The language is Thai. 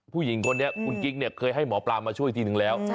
ผู้หญิงคนนี้คุณกิ๊กเนี่ยเคยให้หมอปลามาช่วยทีนึงแล้ว